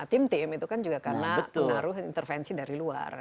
tim tim itu kan juga karena pengaruh intervensi dari luar